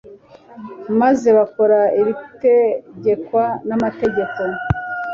maze bakora ibitegekwa n'amategeko.